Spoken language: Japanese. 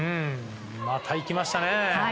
またいきましたね。